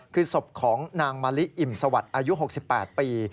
คือศพของนางมะลิอิ่มสวัสดิ์อายุ๖๘ปี